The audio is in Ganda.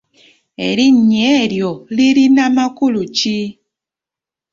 Erinnya eryo lirina makulu ki?